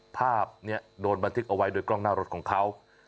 ภาพนี้โดนบันทึกเอาไว้โดยกล้องหน้ารถของเขา